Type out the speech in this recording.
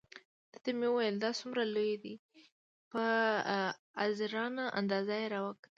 ده ته مې وویل: دا څومره لوی دی؟ په عذرانه انداز یې را وکتل.